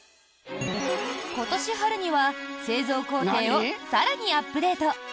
今年春には製造工程を更にアップデート。